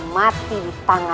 mati di tangan anak kandunya